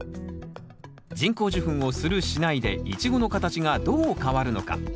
人工授粉をする・しないでイチゴの形がどう変わるのか？